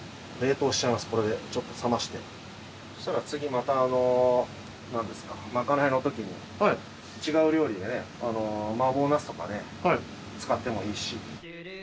そしたら次また何ですかまかないのときに違う料理でねマーボーナスとかね使ってもいいし。